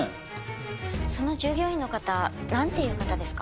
その従業員の方なんていう方ですか？